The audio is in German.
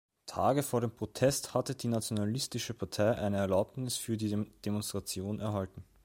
Tage vor dem Protest hatte die Nationalistische Partei eine Erlaubnis für die Demonstration erhalten.